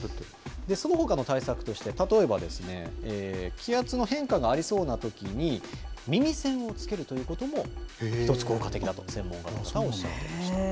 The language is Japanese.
そのほかの対策として、例えば、気圧の変化がありそうなときに、耳栓をつけるということも一つ効果的だと、専門家の方はおっしゃっていました。